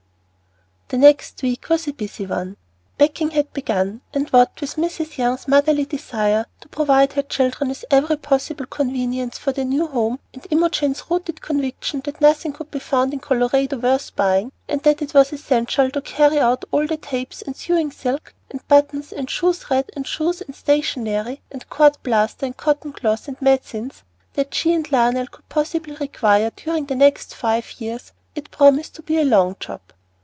THE next week was a busy one. Packing had begun; and what with Mrs. Young's motherly desire to provide her children with every possible convenience for their new home, and Imogen's rooted conviction that nothing could be found in Colorado worth buying, and that it was essential to carry out all the tapes and sewing silk and buttons and shoe thread and shoes and stationery and court plaster and cotton cloth and medicines that she and Lionel could possibly require during the next five years, it promised to be a long job.